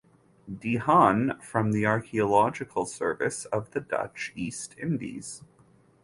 De Haan from the Archaeological Service of the Dutch East Indies.